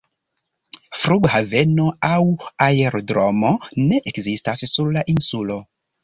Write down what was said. Flughaveno aŭ aerodromo ne ekzistas sur la insulo.